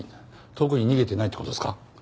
遠くに逃げてないって事ですか？